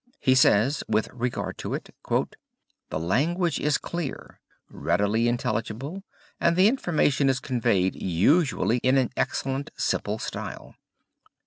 He says with regard to it: "The language is clear, readily intelligible, and the information is conveyed usually in an excellent, simple style.